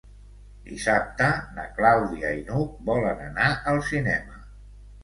Dissabte na Clàudia i n'Hug volen anar al cinema.